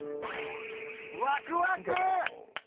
ワクワク！